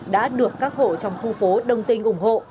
đã được các hộ trong khu phố đồng tình ủng hộ